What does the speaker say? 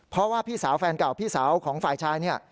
เพราะว่าพี่สาวแฟนเก่าพี่สาวของฝ่ายชายเนี่ย